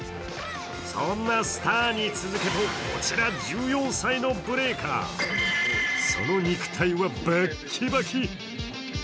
そんなスターに続けとこちら１４歳のブレイカー、その肉体はバッキバキ。